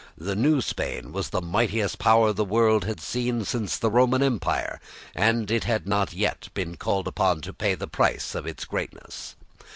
The new Spain was the mightiest power the world had seen since the Roman Empire and it had not yet been called upon to pay the price of its greatness.